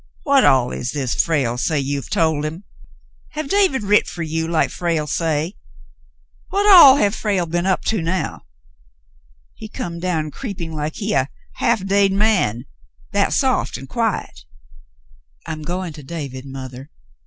"What all is this Frale say you have told him.? Have David writ fer you like Frale say ? W^hat all have Frale if Frale again Returns 261 been up to now ? He come down creepin' like he a half dade man — that soft an' quiet." "I'm going to David, mother.